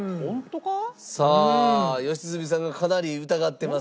さあ良純さんがかなり疑ってます。